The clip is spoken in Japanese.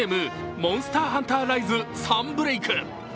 「モンスターハンターライズ：サンブレイク」。